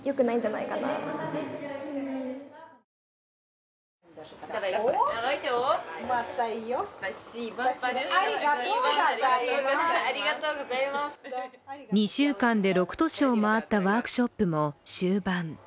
参加した生徒たちは２週間で６都市を回ったワークショップも終盤。